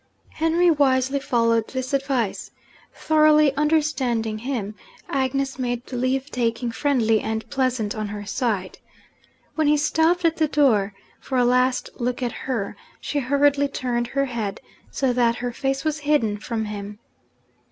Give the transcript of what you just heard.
Henry wisely followed this advice. Thoroughly understanding him, Agnes made the leave taking friendly and pleasant on her side. When he stopped at the door for a last look at her, she hurriedly turned her head so that her face was hidden from him.